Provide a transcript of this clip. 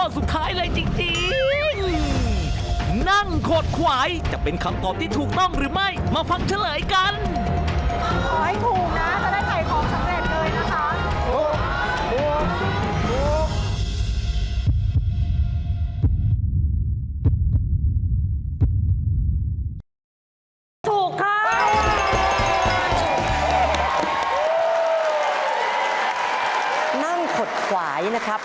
สุดท้ายนั่งโคกมกหรือก๊อกมกนะคะ